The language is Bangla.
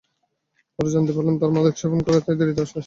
পরে জানতে পারেন, তারা মাদক সেবন করে, তাই দেরিতে বাসায় আসে।